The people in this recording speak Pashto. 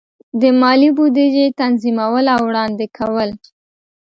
د مالی بودیجې تنظیمول او وړاندې کول.